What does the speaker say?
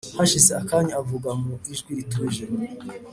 Hashize akanya avuga mu ijwi rituje